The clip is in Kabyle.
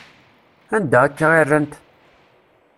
Anda akka i rrant?